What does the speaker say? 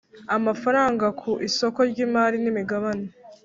Amafaranga ku isoko ryimari n imigabane